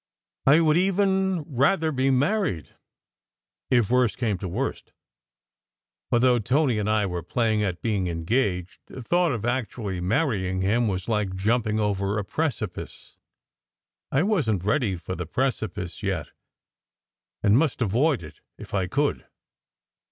I would even rather be married, if worst came to worst; but though Tony and I were playing at being engaged, the thought of actually marrying him was like jumping over a precipice. I wasn t ready for the precipice yet, and must avoid it if I could.